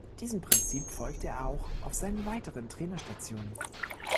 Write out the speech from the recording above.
Diesem Prinzip folgte er auch auf seinen weiteren Trainerstationen.